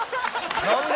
何で？